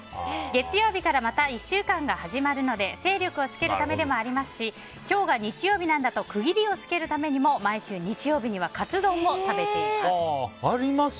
月曜日からまた１週間が始まるので精力をつけるためでもありますし今日が日曜なので区切りをつけるためにも毎週日曜日にはカツ丼を食べています。あります？